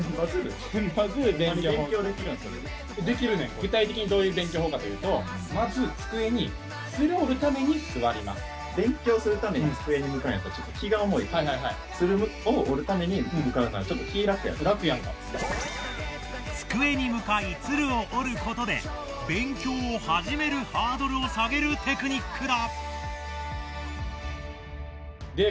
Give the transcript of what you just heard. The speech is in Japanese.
具体的にどういう勉強法かというと机に向かい鶴を折ることで勉強を始めるハードルを下げるテクニックだ！